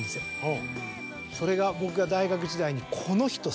それが僕が大学時代にこの人すごい。